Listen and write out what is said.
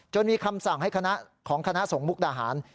จนมีคำสั่งของคณะสงมุมกฎาหาร